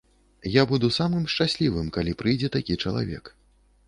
Я буду самым шчаслівым, калі прыйдзе такі чалавек.